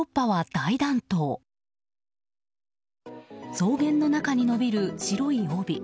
草原の中に伸びる白い帯。